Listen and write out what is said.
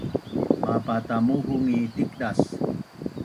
mapatamuhung ngi tikdas